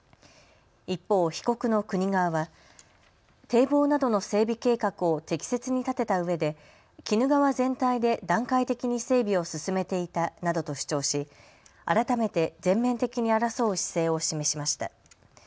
一方、被告の国側は堤防などの整備計画を適切に立てたうえで鬼怒川全体で段階的に整備を進めていたなどと主張し改めて全面的に争う姿勢を示しました。